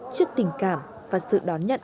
trước tình cảm và sự đón nhận